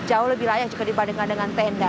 jauh lebih layak jika dibandingkan dengan tenda